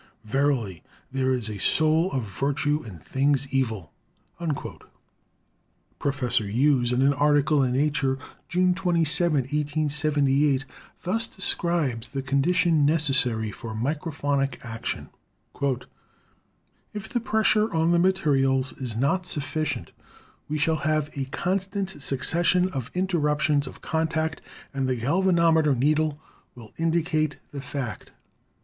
Verily, there is a soul of virtue in things evil." Professor Hughes, in an article in Nature, June 27, 1878, thus describes the conditions necessary for micro phonic action: "If the pressure on the materials is not sufficient, we shall have a constant succession of inter ruptions of contact, and the galvanometer needle will in dicate the fact.